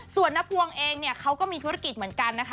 ส่วนนภวงเองเนี่ยเขาก็มีธุรกิจเหมือนกันนะคะ